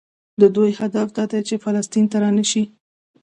د دوی هدف دا دی چې فلسطین ته رانشي.